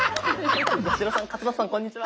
八代さん勝俣さんこんにちは。